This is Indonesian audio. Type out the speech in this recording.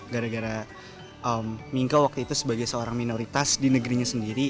gara gara mingka waktu itu sebagai seorang minoritas di negerinya sendiri